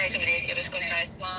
よろしくお願いします